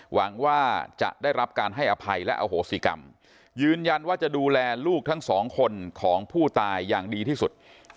หวังว่าจะได้รับการให้อภัยและอโหสิกรรมยืนยันว่าจะดูแลลูกทั้งสองคนของผู้ตายอย่างดีที่สุด